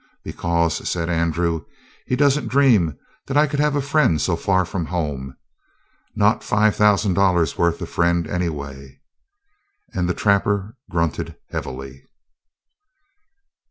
"Because," said Andrew, "he doesn't dream that I could have a friend so far from home. Not five thousand dollars' worth of friend, anyway." And the trapper grunted heavily.